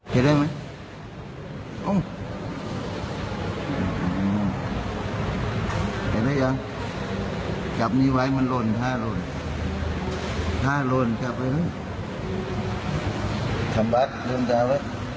ทำบัตรลืมจะเอาไว้พูดข่าวขึ้นทำบัตรเตรียมตัว